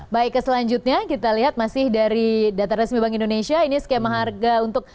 baik ke selanjutnya kita lihat masih dari data resmi bank indonesia ini skema harga untuk